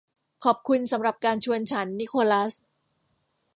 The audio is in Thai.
ขอบคุณสำหรับการชวนฉัน นิโคลัส